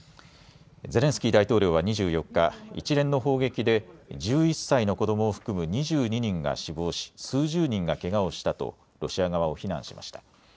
ゼレンスキー大統領は２４日、一連の砲撃で１１歳の子どもを含む２２人が死亡し数十人がけがをしたとロシア側を非難しました。